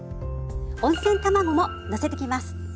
温泉卵ものせてきます。